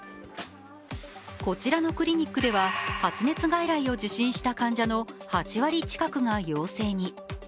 こちらのクリニックでは発熱外来を受診した患者の８割近くが陽性に。